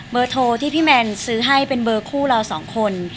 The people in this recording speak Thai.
เบอร์โทวลที่พี่แมนซื้อให้เป็นเบอร์คู่เรา๒คน